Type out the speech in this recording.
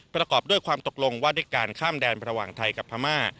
ประกอบด้วยความตกลงว่าด้วยการข้ามแดนระหว่างไทยกับพม่า